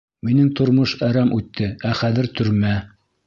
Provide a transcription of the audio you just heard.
Минең тормош әрәм үтте, ә хәҙер төрмә.